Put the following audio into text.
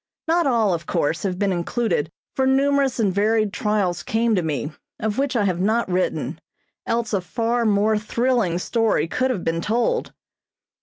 Not all, of course, have been included, for numerous and varied trials came to me, of which I have not written, else a far more thrilling story could have been told.